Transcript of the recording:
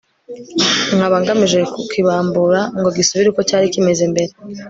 nkaba ngamije kukibambura ngo gisubire uko cyari kimeze mbere